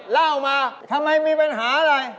เล่ามาทำไมมีปัญหาอะไร